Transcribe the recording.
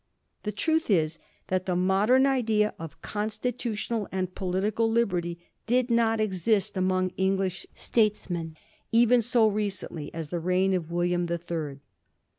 The truth is that the modem idea of constitutional and political liberty did not exist among English statesmen, even so recently as the reign of WUliam the Third.